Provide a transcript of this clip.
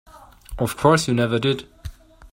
Of course you never did.